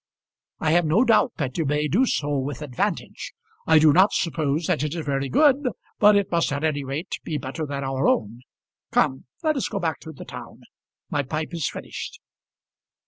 "I have no doubt that you may do so with advantage. I do not suppose that it is very good, but it must at any rate be better than our own. Come, let us go back to the town; my pipe is finished."